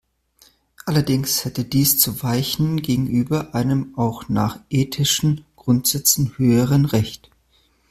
Allerdings hätte dies zu weichen gegenüber einem auch nach ethischen Grundsätzen höheren Recht.